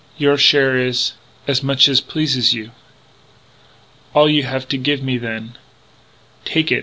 Your share is as much as pleases you." "All you have to give me, then." "Take it